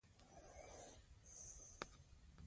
په ترڅ کي د ادب د مرغلرو پوره او پیژندل شوي